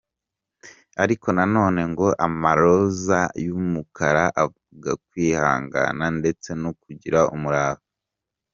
Ariko nanone ngo amaroza y’umukara avuga kwihangana ndetse no kugira umurava.